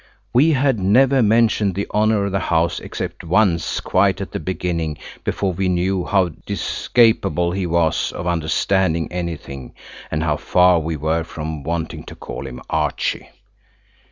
We had never mentioned the honour of the house except once quite at the beginning, before we knew how discapable he was of understanding anything, and how far we were from wanting to call him Archie.